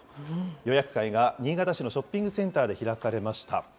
予約会が新潟市のショッピングセンターで開かれました。